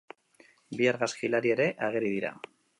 Bi argazkilari ere ageri dira.